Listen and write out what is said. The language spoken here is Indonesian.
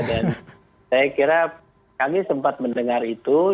dan saya kira kami sempat mendengar itu